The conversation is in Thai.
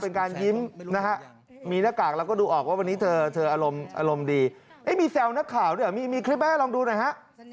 เป็นการยิ้มนะฮะมีหน้ากากแล้วก็ดูออกว่าวันนี้เธอเธออารมณ์อารมณ์ดีมีแซวนักข่าวด้วยมีคลิปไหมลองดูหน่อยฮะ